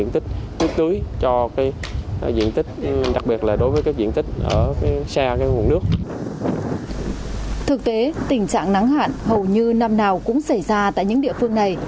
thực tế tình trạng nắng hạn hầu như năm nào cũng xảy ra tại những địa phương này